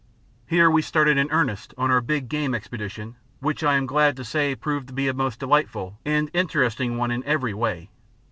Here we started in earnest on our big game expedition, which I am glad to say proved to be a most delightful and interesting one in every way.